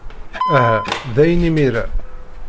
Aha, dayen imir-a.